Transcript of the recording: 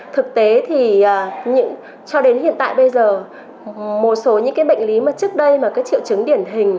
thực tế thì cho đến hiện tại bây giờ một số những bệnh lý trước đây mà triệu chứng điển hình